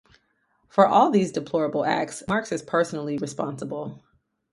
For all these deplorable acts Marx is personally responsible.